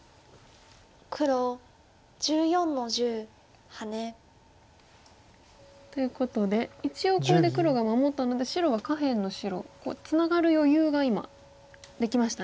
黒１４の十ハネ。ということで一応ここで黒が守ったので白は下辺の白をツナがる余裕が今できましたね。